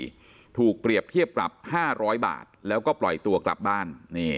เรากำลังไปขับขี่ถูกเปรียบเทียบหลับ๕๐๐บาทแล้วก็ปล่อยตัวกลับบ้าน